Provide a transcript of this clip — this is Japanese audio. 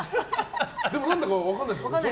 何でか分からないですもんね